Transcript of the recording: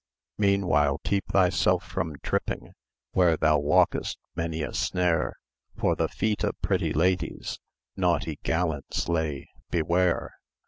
Meanwhile keep thyself from tripping: Where thou walkest, many a snare For the feet of pretty ladies Naughty gallants lay: beware!